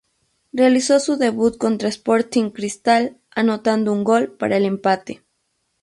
Realizó su debut contra Sporting Cristal, anotando un gol para el empate.